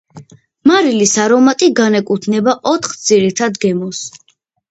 მარილის არომატი განეკუთნება ოთხ ძირითად გემოს.